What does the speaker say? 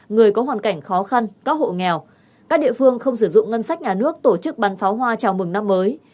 người có hoàn cảnh khó khăn các hộ nghèo các địa phương không sử dụng ngân sách nhà nước tổ chức bắn pháo hoa chào mừng năm mới